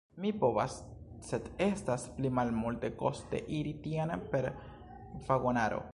Mi povas, sed estas pli malmultekoste iri tien per vagonaro.